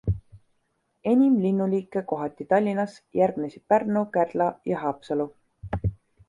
Enim linnuliike kohati Tallinnas, järgnesid Pärnu, Kärdla ja Haapsalu.